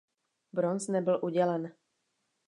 Bronz nebyl udělen.